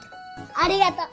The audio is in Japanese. ありがとう。